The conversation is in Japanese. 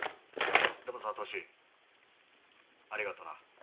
でもさ歳ありがとな」。